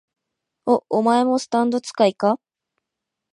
お、お前もスタンド使いか？